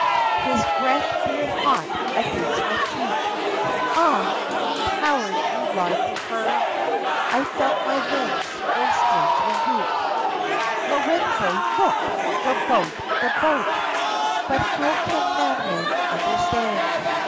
" His breath blew hot against my cheek ; Aha ! You coward, you lied to her !"— I felt my limbs grow strangely weak. " Lorenzo ! Look ! The boat ! The boat !" But how can mad men understand